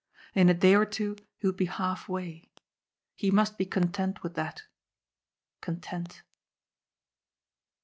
In a day or two he would be half way. He must be content with that. Content.